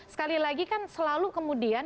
sekali lagi kan selalu kemudian